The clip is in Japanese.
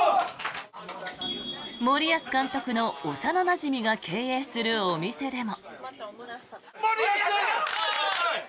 森保監督の幼なじみが経営するお店でも。